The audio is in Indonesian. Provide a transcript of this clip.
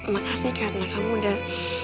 makasih karena kamu udah